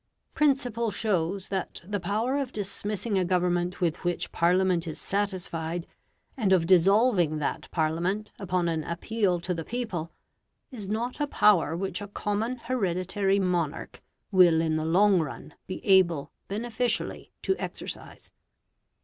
Principle shows that the power of dismissing a Government with which Parliament is satisfied, and of dissolving that Parliament upon an appeal to the people, is not a power which a common hereditary monarch will in the long run be able beneficially to exercise.